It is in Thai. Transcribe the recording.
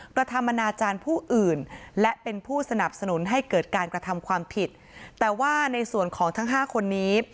ครอบครัวไม่ได้อาฆาตแต่มองว่ามันช้าเกินไปแล้วที่จะมาแสดงความรู้สึกในตอนนี้